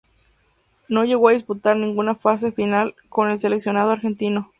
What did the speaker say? No llegó a disputar ninguna fase final con el seleccionado argentino.